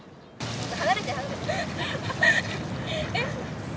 離れて、離れて。